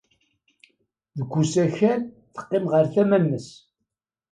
Deg usakal, teqqim ɣer tama-nnes.